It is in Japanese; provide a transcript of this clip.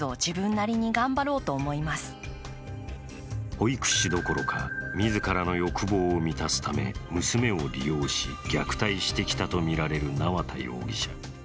保育士どころか、自らの欲望を満たすため娘を利用し、虐待してきたとみられる縄田容疑者。